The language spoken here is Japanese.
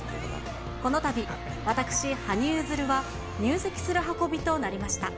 この度、私、羽生結弦は入籍する運びとなりました。